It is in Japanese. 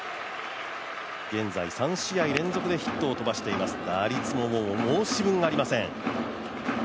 ３試合連続でヒットを飛ばしています打率も申し分ありません。